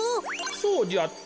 そうじゃった。